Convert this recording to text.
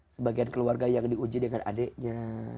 sebagian keluarga yang diuji dengan adiknya